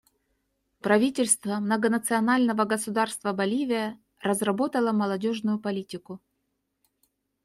Правительство Многонационального Государства Боливия разработало молодежную политику.